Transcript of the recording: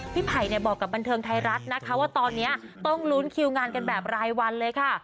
ไผ่บอกกับบันเทิงไทยรัฐนะคะว่าตอนนี้ต้องลุ้นคิวงานกันแบบรายวันเลยค่ะ